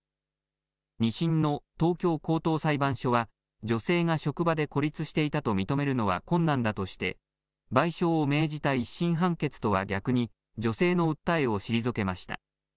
２審の東京高等裁判所は、女性が職場で孤立していたと認めるのは困難だとして、賠償を命じた１審判決とは逆に、女性の訴えを退けました。